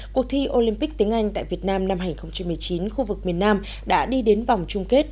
cuộc thi olympic tiếng anh tại việt nam năm hai nghìn một mươi chín khu vực miền nam đã đi đến vòng chung kết